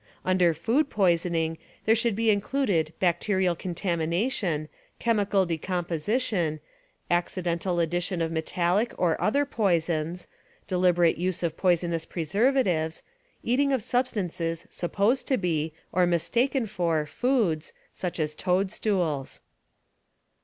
Under food ■poisoning there should be included bacterial contamination, chemical decomposition, accidental addition of metallic or other poisons, deliberate use of poisonous preservatives, eating of substances supposed to be, or mistaken for, foods — such as toadstools.